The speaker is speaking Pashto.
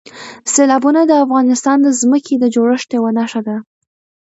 سیلابونه د افغانستان د ځمکې د جوړښت یوه نښه ده.